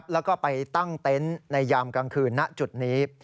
แล้วก็ไปตั้งเต็นต์ในยามกลางคืนณจุดนี้